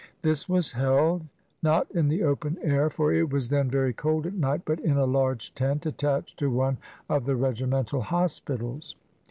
This was held, not in the open air, for it was then very cold at night, but in a large tent attached to one of the regimental hospitals.